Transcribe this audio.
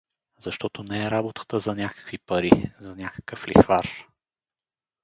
Защото не е работата за някакви пари, за някакъв лихвар.